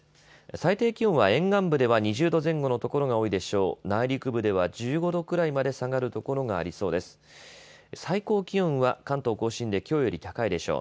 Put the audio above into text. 最低気温は沿岸部では２０度前後の所が多いでしょう。